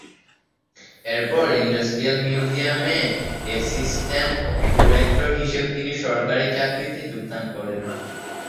এরপর ইন্ডাস্ট্রিয়াল মিউজিয়ামে assistant director হিসেবে তিনি সরকারি চাকরিতে যোগদান করেন।